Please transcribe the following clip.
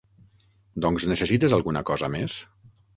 Doncs necessites alguna cosa més?